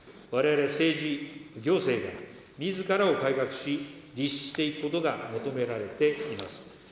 われわれ政治・行政がみずからを改革し、律していくことが求められています。